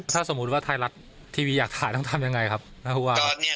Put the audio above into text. ถ้าสมมุติว่าไทยรัฐทีวีอยากถ่ายต้องทำยังไงครับท่านผู้ว่าครับ